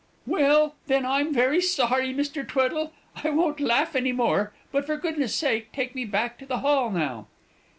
"Well, then, I'm very sorry, Mr. Tweddle; I won't laugh any more; but, for goodness' sake, take me back to the Hall now."